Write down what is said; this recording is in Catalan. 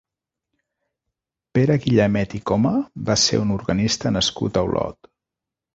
Pere Guillamet i Coma va ser un organista nascut a Olot.